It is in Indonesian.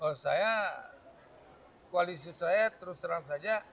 kalau saya koalisi saya terus terang saja